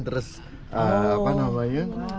terus apa namanya